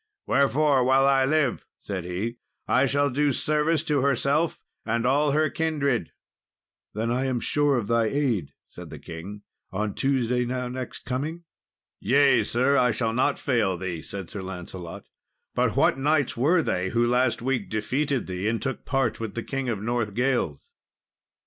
"Wherefore while I live," said he, "I shall do service to herself and all her kindred." "Then am I sure of thy aid," said the king, "on Tuesday now next coming?" "Yea, sir, I shall not fail thee," said Sir Lancelot; "but what knights were they who last week defeated thee, and took part with the King of Northgales?"